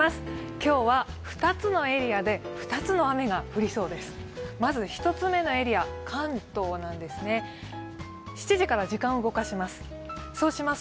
今日は２つのエリアで２つの雨が降りそうです。